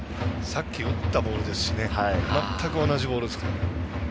さっき打ったボールですしね、全く同じボールですから。